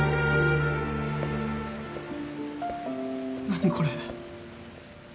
何これ！？